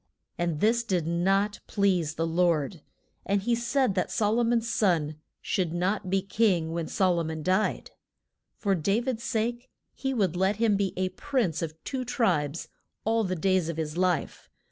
And this did not please to Lord, and he said that Sol o mon's son should not be king when Sol o mon died. For Da vid's sake he would let him be a prince of two tribes all the days of his life.